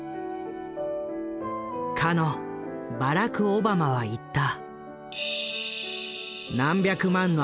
かのバラク・オバマは言った。